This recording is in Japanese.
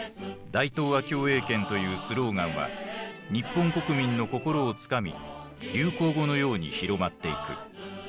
「大東亜共栄圏」というスローガンは日本国民の心をつかみ流行語のように広まっていく。